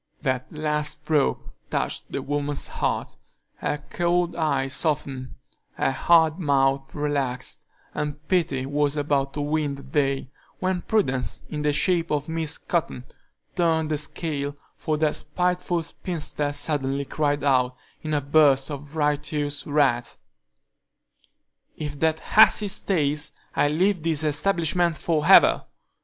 That last stroke touched the woman's heart; her cold eye softened, her hard mouth relaxed, and pity was about to win the day, when prudence, in the shape of Miss Cotton, turned the scale, for that spiteful spinster suddenly cried out, in a burst of righteous wrath: "If that hussy stays, I leave this establishment for ever!"